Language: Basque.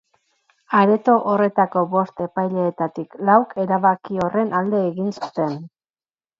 Areto horretako bost epaileetatik lauk erabaki horren alde egin zuten.